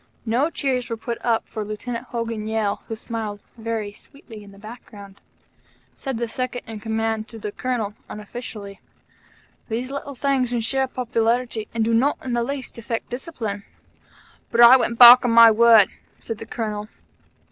No cheers were put up for Lieutenant Hogan Yale, who smiled very sweetly in the background. Said the Second in Command to the Colonel, unofficially: "These little things ensure popularity, and do not the least affect discipline." "But I went back on my word," said the Colonel.